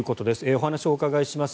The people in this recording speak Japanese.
お話をお伺いします